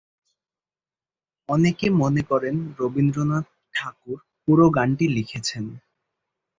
অনেকে মনে করেন রবীন্দ্রনাথ ঠাকুর পুরো গানটি লিখেছেন।